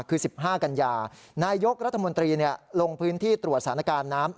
คือ๑๕กันยานายกรัฐมนตรีลงพื้นที่ตรวจสถานการณ์น้ำ